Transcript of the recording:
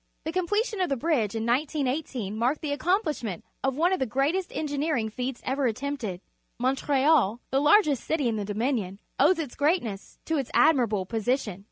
The completion of the bridge in 1918 marked the accompUsh ment of one of the greatest engineering feats ever at tempted. Montreal, the largest city in the Dominion, owes its great ness to its admiral:)lo position.